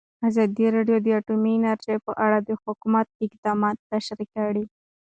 ازادي راډیو د اټومي انرژي په اړه د حکومت اقدامات تشریح کړي.